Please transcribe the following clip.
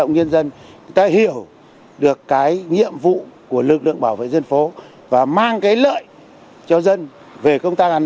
các bác tham gia lực lượng bảo vệ dân phố tại cơ sở là từng đáy năm